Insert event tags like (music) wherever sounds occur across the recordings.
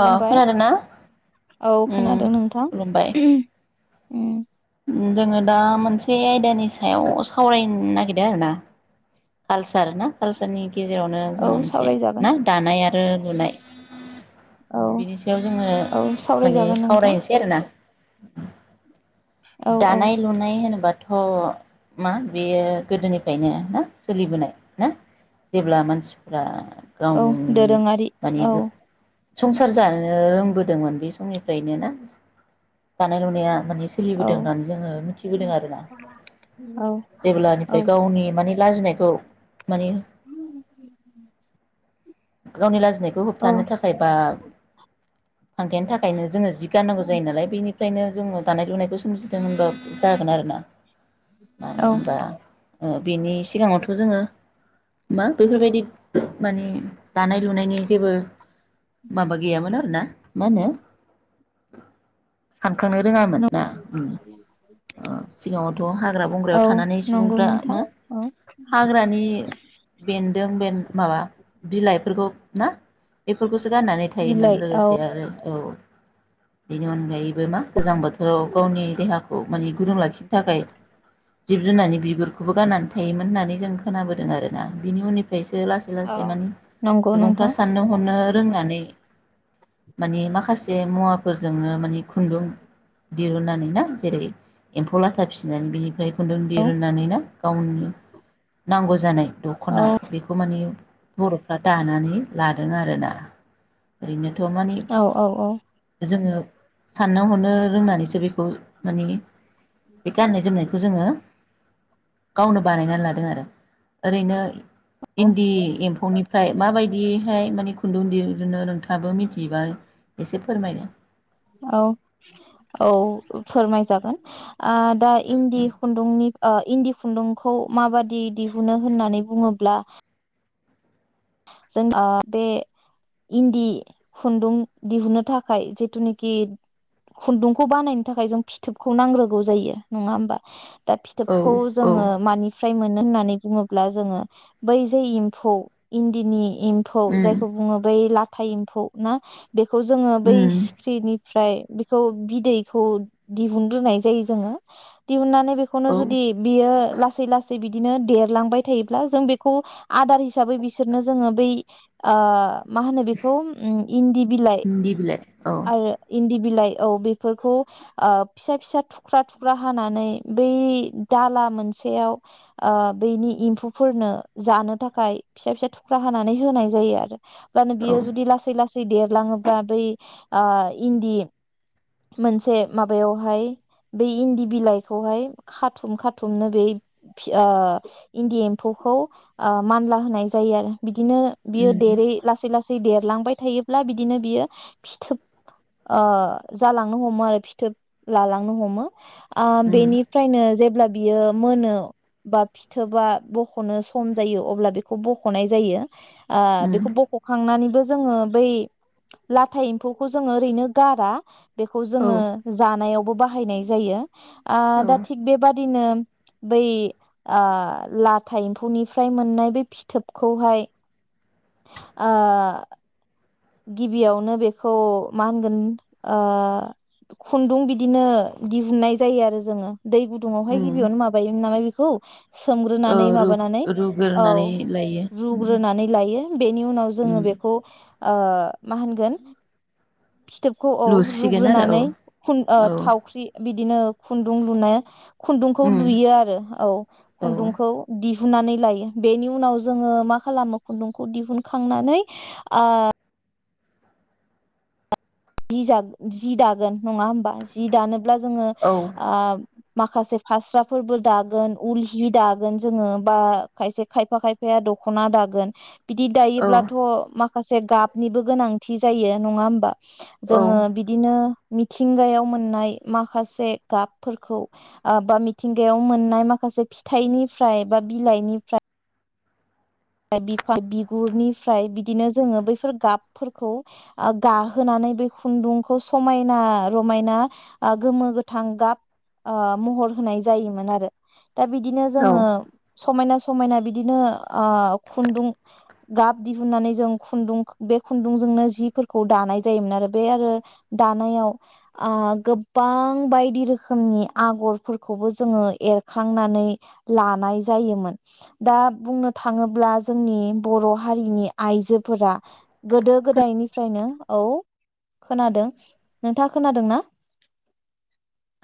अ खोनादों ना औ उम खोनादों नोंथां खुलुमबाय। उम। जोङो दा मोनसे आयदानि सायाव सावरायनो नागिरदों आरो ना। कालसार ना कालसारनि गेजेरावनो औ जोङो मोनसे सावरायजागोन ना दानाय आरो र बुनाय औ बिनि सायाव जोङो औ माने सावरायजागोन नोंथां सावरायनोसै आरोना औ औ दानाय लुनाय होनोबा थ' मा बेयो गोदोनिफ्रायनो ना सोलिबोनाय ना जेब्ला मानसिफोरा औ दोरोङारि औ संसार जानो रोंबोदोंमोन बे समनिफ्रायनो ना दानाय लुनाया माने सोलि औ होनानै जोङो मिथिदों आरोना औ औ जेब्लानिफ्राय गावनि मानि लाजिनायखौ मानि गावनि लाजिनायखौ औ होबथानो थाखाय बा थांखेनि थाखायनो जोङो जि गारनांगौ जायो नालाय बेनिफ्रायनो दानाय लुनायखौ सोमजिदों होनबा जागोन आरो ना मानो औ होनबा बेनि सिगाङावथ' जोङो मा बेफोरबायदि माने दानाय लुनायनि जेबो माबा गैयामोन आरोना मा होनो सनो रोङामोन ना सिगाङावथ' हाग्रा बंग्रायाव औ थानानै नंगौ सुबुंफ्रा नोंथां औ हाग्रानि बेन्दों बे माबा बिलाइफोरखौ ना बेफोरखौ गाननानै थायोमोन बिलाइ औ लोगोसे आरो औ बेनि अनगायैबो मा गोजां बोथोराव गावनि देहाखौ माने गुदुं लाखिनो थाखाय जिब जुनारनि बिगुरखौबो गाननानै थायोमोन होननानै जों खोनाबोदों आरोना बिनि उननिफ्राय लासै औ लासै माने नंगौ सुबुंफ्रा नोंथां साननो हनो फोरोंनानै माने माखासे मुवाफोरजोंनो माने खुन्दुं दिरुननानै ना जेरै एम्फौ लाथा फिसिनानै बिनिफ्राय खुन्दुं औ दिरुननानै ना गावनि नांगौ जानाय औ दख'ना बेखौ माने बर'फ्रा दानानै लादों आरोना ओरैनो थ माने औ औ औ जोङो साननो हरनो रोंनानै जे बेखौ माने बे गाननाय जोमनायखौ जोङो गावनो बानायनानै लादों आरो ओरैनो इन्दि एम्फौनि। एमफौनिफ्राय माबायदिहाय माने खुन्दुं दिहुनो नोंथाङाबो मिथियोबा एसे फोरमायदो। औ औ फोरमायजागोन ओ दा इन्दि खुन्दुंनि इन्दि खुन्दुंखौ माबादि दिहुनो होननानै बुङोब्ला जों बे इन्दि खुन्दुं दिहुनो थाखाय जिथुनाखि खुन्दुंखौ बानायनो थाखाय जों फिथोबखौ नांग्रोगौ जायो नङा होमबा। दा औ फिथोबखौ औ जोङो मानिफ्राय मोननो होननानै। बुङोब्ला जोङो बै जे एम्फौ इन्दिनि। एम्फौ उम जायखौ बुङो बै लाथा लाथा एम्फौ ना। बेखौ जोङो बै उम सिख्रिनि निफ्राय बेखौ बिदैखौ दिहुनग्रोनाय जायो जोङो दिहुननानै। बेखौनो औ जुदि बियो लासै लासै बिदिनो बिदिनो देरलांबाय थायोब्ला जों बेखौ आदार हिसाबै बिसोरनो बिसोरनो जोङो बै ओ। मा होनो बेखौ इन्दि बिलाइ इन्दि बिलाइ औ आरो इन्दि बिलाइ औ बेफोरखौ ओ फिसा फिसा थुख्रा थुख्रा हानानै बै दाला मोनसेयाव ओ बेनि एम्फौफोरनो जानो थाखाय फिसा फिसा थुख्रा हानानै होनाय जायो आरो। अब्लानो औ बियो जुदि लासै लासै देरलाङोब्ला बै ओ इन्दि मोनसे माबायावहाय इन्दि बिलायखौहाय खाथुम खाथुमनो बै ओ इन्दि एमफौखौ ओ मानला होनाय जायो। जायो आरो। बिदिनो बियो उम देरो लासै लासै। लासै देरलांबाय थायोब्ला बिदिनो बियो फिथोब ओ जालांनो हमो आरो फिथोब लालांनो हमो ओ उम बेनिफ्रायनो जेब्ला बियो मोनो बा फिथोबा बखनो सम जायो अब्ला बेखौ बेखौ बखनाय जायो। ओ उम बेखौ बखखांनानैबो जोङो बै लाथा एम्फौखौ जोङो ओरैनो गारा। बेखौ जोङो औ जानायाव जानायावबो बाहायनाय जायो। आं औ दा थिग बेबादिनो। बै ओ लाथा एम्फौनिफ्राय मोननाय बै फिथोबखौहाय ओ। गिबियावनो बेखौ मा होनगोन ओ खुन्दुं बिदिनो दिहुननाय जायो आरो जोङो। दै गुदुंआवहाय उम गिबियावनो माबायोमोन नामा बेखौ औ सोमग्रोनानै रु माबानानै औ रुग्रोनानै लायो रुग्रोनानै लायो बेनि उनाव जोङो उम बेखौ। ओ मा होनगोन। फिथोबखौ औ लुसिगोन आरो रुग्रोनानै खुन औ थावख्रि बिदि बिदिनो खुन्दुं लुनाय। खुन्दुंखौ उम लुयो आरो औ औ खुन्दुंखौ दि हुननानै लायो। बेनि उनाव जोङो मा खालामो खुन्दुंखौ दिहुनखांनानै आ दि जाब जि दागोन नङा होमबा। जि दानो ब्ला जोङो औ आ माखासे फास्राफोरबो दागोन उल हि दागोन जोङो बा खायसे खायफा खायफाया दख'ना दागोन। बिदि औ दायोब्लाथ' माख खासे गाबनिबो गोनांथि जायो नङा होमबा। औ जोङो बिदिनो मिथिंगायाव मोननाय माखासे गाबफोरखौ ओ बा मिथिंगायाव मोननाय माखासे फिथाइनिफ्राय बा बिलाइनिफ्राय फाय बिफां बिगुरनिफ्राय बिदिनो जोङो बैफोर गाबफोरखौ ओ गाहोनानै बे खुन्दुंखौ समायना रमायना ओ गोमो गोथां गाब ओ महर होनाय जायोमोन आरो। दा बिदिनो जोङो औ स' समायना समायना बिदिनो ओ खुन्दुं गाब दिहुननानै जों खुन्दुं बे खुन्दुंजोंनो जिफोरखौ दानाय जायोमोन आरो बे आरो दानायाव ओ गोबां बायदि रोखोमनि आगरफोरखौबो जोङो एरखांनानै लानाय जायोमोन दा बुंनो थाङो ब्ला जोंनि बर' हारिनि आइजोफोरा गोदो गोदायनिफ्रायनो औ खोनादों नोंथाङा खोनादोंना?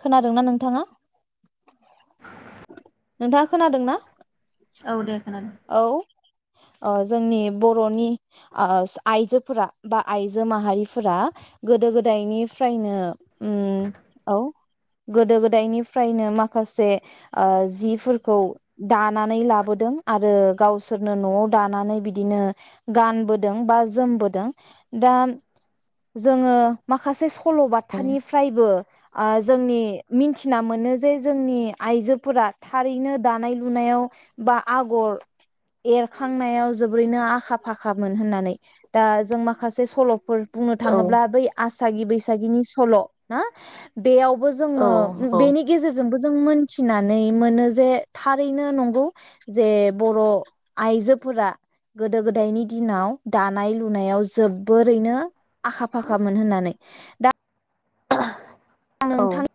खोनादोंना नोंथाङा? नोंथाङा खोनादोंना? औ दे खोनादों। औ ओ जोंनि बर'नि ओ आइजोफोरा बा आइजो माहारिफोरा गोदो गोदायनिफ्रायनो उम औ गोदो गोदायनिफ्रायनो माखासे ओ जिफोरखौ दानानै लाबोदों। आरो गावसोरनो न' दानानै बिदिनो गानबोदोंबा जोमबोदों। दा जोङो माखासे स' सल'बाथानिफ्रायबो ओ जोंनि मिथिना मोनो जे जोंनि आइजोफोरा थारैनो दानाय लुनायाव बा आगर एरखांनायाव जोबोरैनो आखा फाखामोन होननानै दा जों माखासे सल'फोर बुंनो औ थाङोब्ला बै आस सागि बैसागिनि सल' ना बेयाव बो औ जोङो औ बेनि गेजेरजोंबो जों मोनथिनानै मोनो जे थारैनो नंगौ जे बर' आइजोफोरा गोदो गोदायनि दिनाव दानाय लुनायाव जोबोरैनो आखा फाखामोन होननानै दा दा औ नोंथां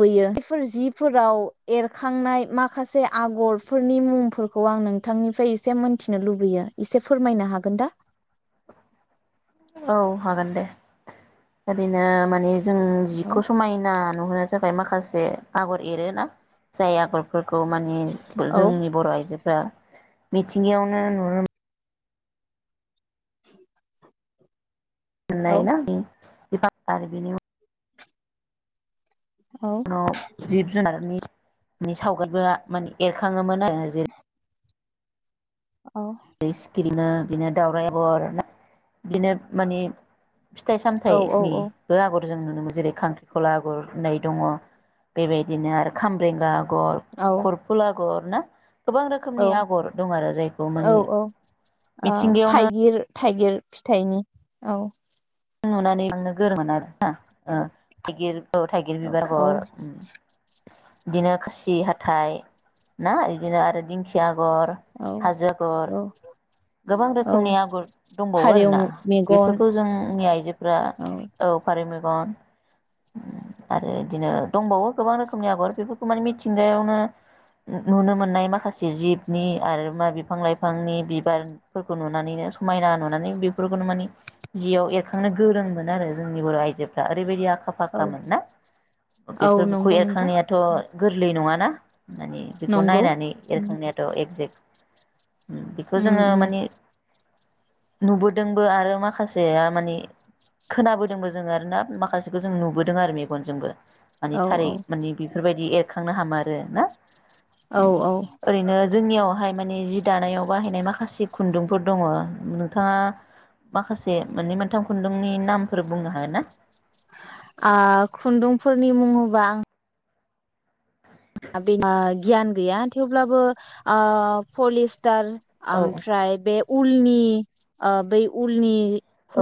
बैयो बेफोर जिफोराव एरखांनाय माखासे आगरफोरनि मुंफोरखौ आं नोंथांनिफ्राय एसे मोनथिनो लुबैयो। एसे फोरमायनो हागोन दा? औ हागोन दे ओरैनो माने जों औ जिखौ समायना नुहोनो थाख फ्राय माखासे आगर एरोना जाय आगरफोर खौ माने औ जोंनि बर' आइजोफोरा। मिथिंगायावनो नुनो औ मोननाय ना (unintelligible) (unintelligible) बिनि उन औ न' जिब जुनारनि सावगारिबो माने एरखाङोमोन जेरै (unintelligible) सिकिरिना बिदिनो दाउराय (unintelligible) आगर बिदिनो मानि फिथाइ औ औ सामथाइनिबो आगर जों जेरै खांख्रि गला आगुर होननाय दङ बेबायदिनो आरो खाम्रेंगा गर औ खरफुल आ गर ना गोबां रोखोमनि आगर दं आरो जायखौ मानि अ ओ थाइगिर थाइगिर फिथाइनि औ नुनानै नोंनो गोरोमोन (unintelligible) आरोना ओ थाइगिर औ थाइगिर औ बिबार औ आगर बिदिनो खासि हाथाय ना इदिनो आरो दिंखिया आगर औ हाजो आगर गोबां औ रोखोमनि आगर दंबावो आरो फारौ ना मेगन बेफोरखौ जोंनि आइजोफोरा औ फारि मेगन आरो इदिनो दंबावो गोबां रोखोमनि आगर बेफोरखौ माने मिथिंगायाव नुनो मोननाय माखासे जिबनि आरो मा बिफां लाइफांनि बिबारफोरखौ नुनानैनो समायना नुनानै बेफोरखौनो मानि जियाव एरखांनो गोरोंमोन आरो जोंनि बर' आइजोफ्रा ओरैबायदि आ आखा औ फाखामोन ना औ बेफोरखौ नंगौ नोंथां एरखांनायाथ' गोरलै नङाना? मानि बेखौ नंगौ नायनानै एरखांनायाथ' एगजेक्ट उम बेखौ उम जोङो उम माने नुबोदोंबो आरो माखासेया माने खोनाबोदोंबो जों आरोना माखासेखौ जों नुबोदों आरो मेगनजोंबो मानि औ थारै औ माने बेफोरबायदि एर खांनो हामारो ना औ औ ओरैनो जोंनियावहाय माने जि दानायाव बायनाय माखासे खुन्दुंफोर दङ नोंथाङा माखासे मोननै मोनथाम खुन्दुंनि नामफोर बुंनो हागोन ना? ओ खुन्दुंफोरनि मुङोबा आं बे (unintelligible) गियान गैया थेवब्लाबो ओ पलिस टार औ आमफ्राय बे उल उलनि ओ बै उलनि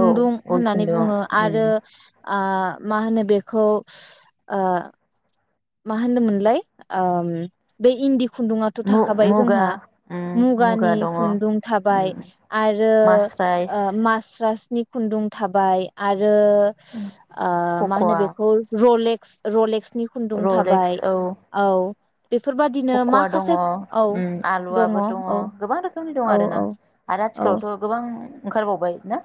औ उल होननानै खुन्दुं बुङो उम आरो आ मा होनो बेखौ ओ मा होनदोंमोनलाय ओम बे इन्दि खुन्दुंयाथ' थाखाबाय मु-मुगा जोंहा उम मुगा मुगानि दङ खुन्दुं थाबाय उम आरो मास्राइस ओ मास्रासनि खुन्दुं थाबाय आरो आरो ओ मा होनो फक'वा बेखौ रलेक रलेक्सनि खुन्दुं थाबाय औ बेफोरबादिनो फख'वा दङ माखासे औ आलुवबो औ दङ औ गोबां रोखोमनि दं औ आरोना आरो औ आथिखालावथ' गोबां ओंखारबाव बाय ना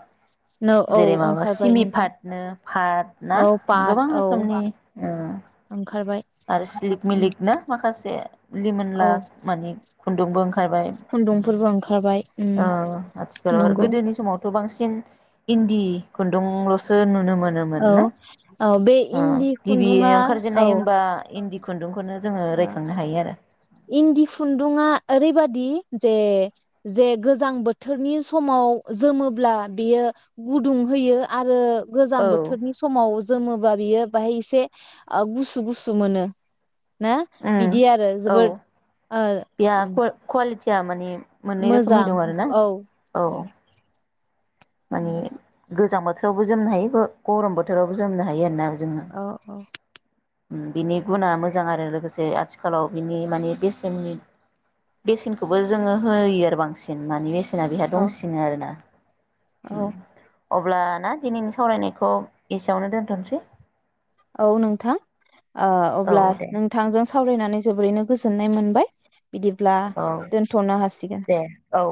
नो औ जेरै माबा ओंखारबाय सिमि नोंथां पाटनो पाट ना औ पाट गोबां औ रोखोमनि उम ओंखारबाय आरो सिलिक मिलिक ना माखासे औ लिमोनला मानि खुन्दुंबो ओंखारबाय खुन्दुंफोरबो ओंखारबाय उम ओ आथिखालाव आरो नंगौ गोदोनि समावथ' बांसि न इन्दि खुन्दुंल'सो नुनो मोनो औ औ बे इन्दि खुन्दुंआ औ आ इदि खुन्दुंखौनो जोङो ओ रायखांनो हायो आरो इन्दि खुन्दुंआ ओरैबादि जे जे गोजां बोथोरनि समाव जोमोब्ला बेयो गुदुं होयो आरो गोजां औ बोथोरनि समाव जोमो बा बियो बाहाय एसे गुसु गुसु मोनो। ना उम बिदि आरो औ जोबोद ओ बेहा ककवालि थिया माने मोननै रोखोमनि मोजां दं आरोना औ औ मानि गोजां बो थोरावबो जोमनो हायो गरम बोथोरावबो जोमनो हायो आरो ना औ औ उम बिनि गुना मोजां आरो लोगोसे आथिखालाव बिनि मानि बेसेननि बेसेनखौबो जोङो होयो आरो बांसिन मानि बेसेना बिहा औ दंसिनो आरोना। उम औ अब्ला ना दिनैनि सावरायनायखौ एसेयावनो दोनथ'सै। औ नोंथां ओ औ अब्ला दे नोंथांजों सावरायनानै जोबोरैनो गोजोननाय मोनबाय। बिदिब्ला औ दोनथ'नो हासिगोन। दे औ